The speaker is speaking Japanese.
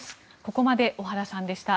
ここまで小原さんでした。